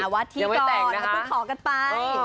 วาดที่ก่อนนะครับคุณขอกันไปอย่างว่าจะแต่งนะคะ